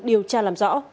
điều tra làm rõ